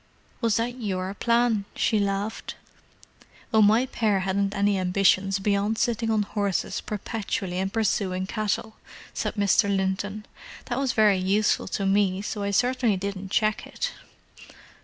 "Was that your plan?" she laughed. "Oh, my pair hadn't any ambitions beyond sitting on horses perpetually and pursuing cattle!" said Mr. Linton. "That was very useful to me, so I certainly didn't check it."